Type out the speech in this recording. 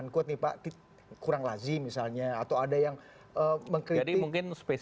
komunasinya belum dijadwalkan